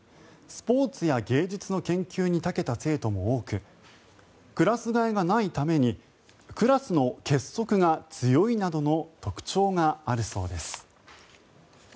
スポーツや芸術の研究に長けた生徒も多くクラス替えがないためにクラスの結束が強いなどの特徴があるそうです。